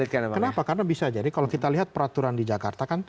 kenapa karena bisa jadi kalau kita lihat peraturan di jakarta kan